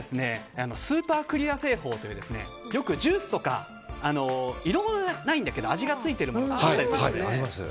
スーパークリア製法というよくジュースとか色はないんだけど味がついているものってあったりするじゃないですか。